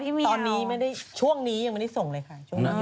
ตอนนี้ไม่ได้ช่วงนี้ยังไม่ได้ส่งเลยค่ะ